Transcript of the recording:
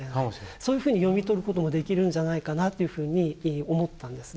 そういうふうに読み取ることもできるんじゃないかなっていうふうに思ったんですね。